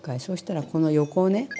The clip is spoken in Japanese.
そうしたらこの横をね